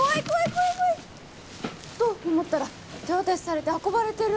怖い怖い！と思ったら手渡しされて運ばれてる。